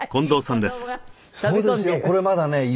これまだね